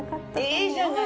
いいじゃない。